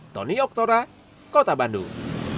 tony oktora kota bandung